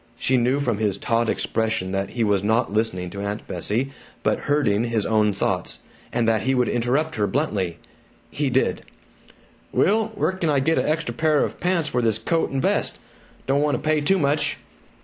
She knew from his taut expression that he was not listening to Aunt Bessie but herding his own thoughts, and that he would interrupt her bluntly. He did: "Will, where c'n I get an extra pair of pants for this coat and vest? D' want to pay too much."